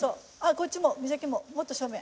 こっちももっと正面。